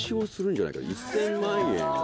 １０００万円を。